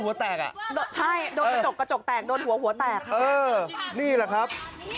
อันนี้แหละครับ